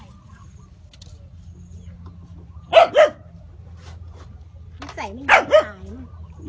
เองเอง